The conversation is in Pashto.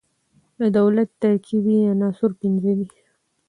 د دولت ترکيبي عناصر پنځه دي.